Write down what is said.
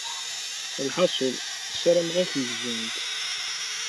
Lḥaṣul, ssarameɣ ad k-gzunt.